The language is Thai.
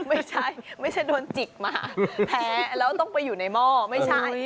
ไม่ใช่ไม่ใช่โดนจิกมาแพ้แล้วต้องไปอยู่ในหม้อไม่ใช่